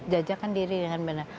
jajakan diri dengan benar